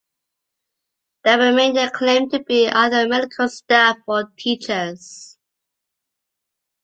The remainder claimed to be either medical staff or teachers.